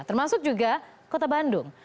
termasuk juga kota bandung